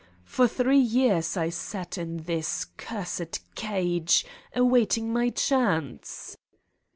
For three years I sat in this cursed cage, await ing my chance